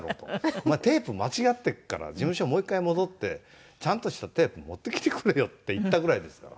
「お前テープ間違ってるから事務所もう一回戻ってちゃんとしたテープ持ってきてくれよ」って言ったぐらいですから。